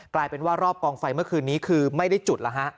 กลายเป็นว่ารอบกองไฟเมื่อคืนนี้คือไม่ได้จุดแล้วฮะ